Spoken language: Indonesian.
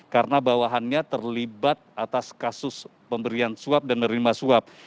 karena bawahannya terlibat atas kasus pemberian suap dan menerima suap